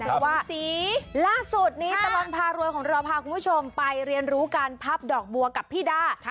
เพราะว่าสีล่าสุดนี้ตลอดพารวยของเราพาคุณผู้ชมไปเรียนรู้การพับดอกบัวกับพี่ดา